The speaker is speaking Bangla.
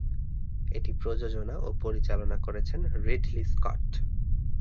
এটি প্রযোজনা ও পরিচালনা করেছেন রিডলি স্কট।